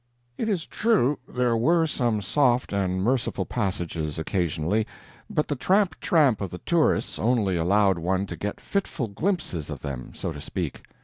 It is true, there were some soft and merciful passages occasionally, but the tramp tramp of the tourists only allowed one to get fitful glimpses of them, so to speak.